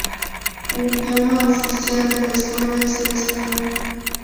El idioma oficial de la escuela es el español.